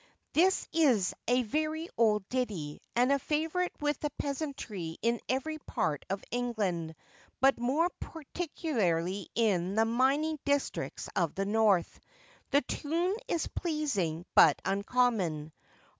[THIS is a very old ditty, and a favourite with the peasantry in every part of England; but more particularly in the mining districts of the North. The tune is pleasing, but uncommon.